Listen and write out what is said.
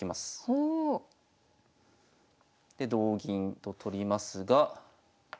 お。で同銀と取りますが。